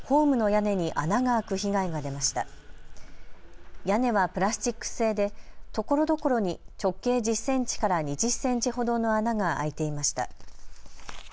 屋根はプラスチック製でところどころに直径１０センチから２０センチほどの穴が開いていました。